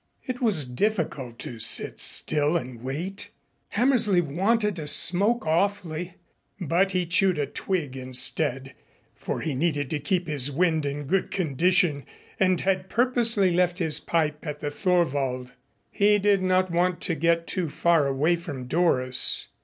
It was difficult to sit still and wait. Hammersley wanted a smoke awfully, but he chewed a twig instead, for he needed to keep his wind in good condition and had purposely left his pipe at the Thorwald. He did not want to get too far away from Doris.